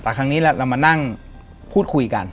แต่ครั้งนี้เรามานั่งพูดคุยกัน